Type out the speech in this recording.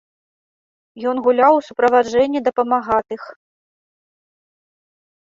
Ён гуляў у суправаджэнні дапамагатых.